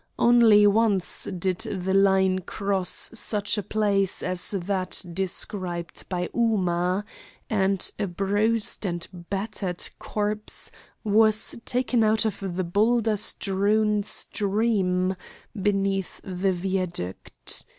Only once did the line cross such a place as that described by Ooma, and a bruised and battered corpse was taken out of the boulder strewn stream beneath the viaduct.